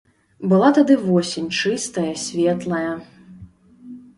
Была тады восень чыстая, светлая.